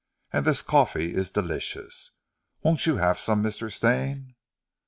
"And this coffee is delicious. Won't you have some, Mr. Stane?"